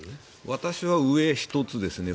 私は上１つですね。